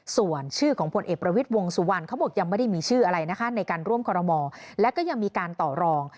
ส่วนชื่อของผลเอกประวิทย์วงสุวรรณเขาบอกยังไม่ได้มีชื่ออะไรนะคะในการร่วมคอรมอและก็ยังมีการต่อรอง